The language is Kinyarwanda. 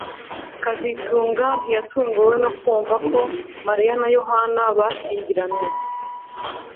kazitunga ntiyatunguwe no kumva ko Mariya na Yohana bashyingiranywe